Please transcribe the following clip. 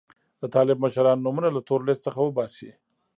د طالب مشرانو نومونه له تور لیست څخه وباسي.